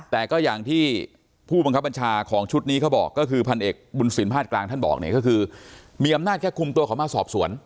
แต่ก็อย่างที่ผู้บังคับบัญชาของชุดนี้เขาบอกก็คือพันเอกบุญสินภาคกลางท่านบอกเนี่ยก็คือมีอำนาจแค่คุมตัวเขามาสอบสวน